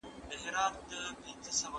زه بايد درسونه اورم!!